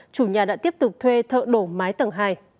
chủ nhà đã tiếp tục thuê thợ đổ mái tầng hai